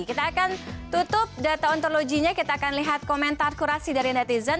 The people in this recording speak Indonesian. kita akan tutup data ontologinya kita akan lihat komentar kurasi dari netizen